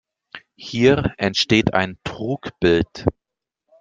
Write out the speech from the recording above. Hier entsteht ein Trugbild.